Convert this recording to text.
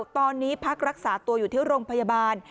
ตอนนี้พักรักษาตัวอยู่ที่โรงพยาบาล